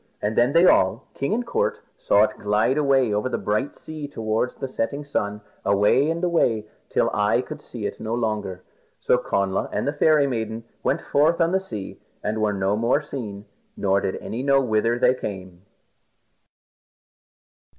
And then they all, king and court, saw it glide away over the bright sea towards the setting sun. Away and away, till eye could see it no longer, and Connla and the Fairy Maiden went their way on the sea, and were no more seen, nor did any know where they came.